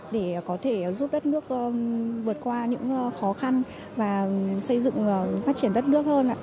để có thể giúp đất nước vượt qua những khó khăn và xây dựng phát triển đất nước hơn ạ